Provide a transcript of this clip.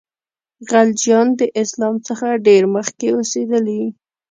خلجیان د اسلام څخه ډېر مخکي اوسېدلي.